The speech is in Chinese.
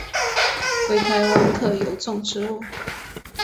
为台湾特有种植物。